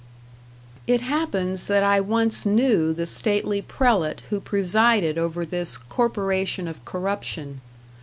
It happens that I once knew the stately prelate who presided over this Corporation of Corruption.